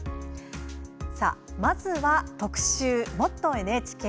まずは特集「もっとＮＨＫ」。